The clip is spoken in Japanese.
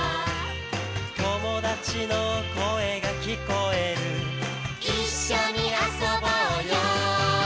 「友達の声が聞こえる」「一緒に遊ぼうよ」